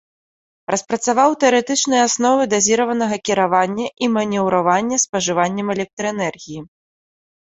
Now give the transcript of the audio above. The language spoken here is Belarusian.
Распрацаваў тэарэтычныя асновы дазіраванага кіравання і манеўравання спажываннем электраэнергіі.